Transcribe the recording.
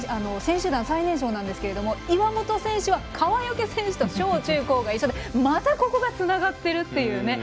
選手団最年少なんですけど岩本選手は川除選手と小中高が一緒でまた、ここがつながっているという。